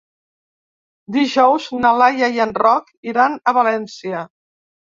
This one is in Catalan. Dijous na Laia i en Roc iran a València.